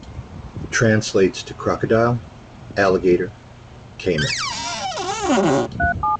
Translates to crocodile, alligator, caiman.